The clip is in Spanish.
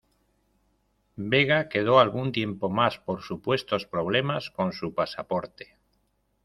Vega quedó algún tiempo más por supuestos problemas con su pasaporte.